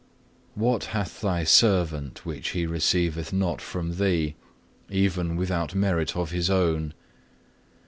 What hath Thy servant, which he received not from Thee, even without merit of his own?